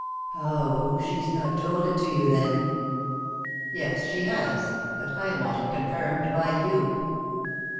"Oh, she's not told it to you, then?" "Yes, she has. But I want it confirmed by you."